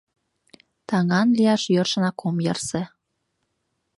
Таҥан лияш йӧршынак ом ярсе.